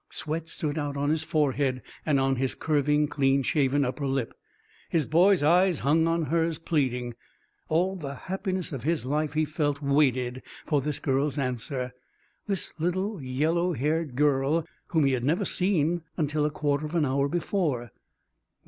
Sweat stood out on his forehead and on his curving, clean shaven upper lip. His boy's eyes hung on hers, pleading. All the happiness of his life, he felt, waited for this girl's answer, this little yellow haired girl whom he had never seen until a quarter of an hour before.